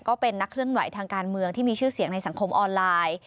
ก็เป็นนักเคลื่อนไหวทางการเมืองที่มีชื่อเสียงในสังคมออนไลน์